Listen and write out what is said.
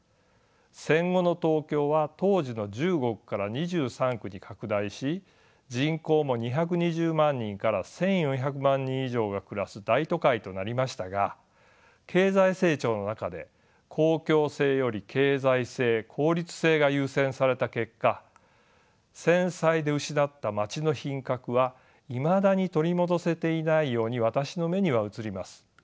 戦後の東京は当時の１５区から２３区に拡大し人口も２２０万人から１，４００万人以上が暮らす大都会となりましたが経済成長の中で公共性より経済性効率性が優先された結果戦災で失った街の品格はいまだに取り戻せていないように私の目には映ります。